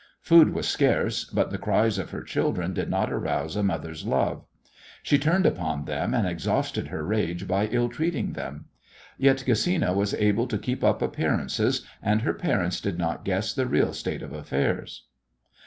Food was scarce, but the cries of her children did not arouse a mother's love. She turned upon them and exhausted her rage by ill treating them; yet Gesina was able to keep up appearances and her parents did not guess the real state of affairs.